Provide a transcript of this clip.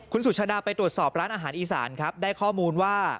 คุณสุชาดาไปตรวจสอบร้านอาหารอีสานครับได้ข้อมูลว่า